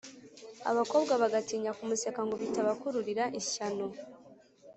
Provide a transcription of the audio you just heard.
abakobwa bagatinya kumuseka ngo bitabakururira ishyano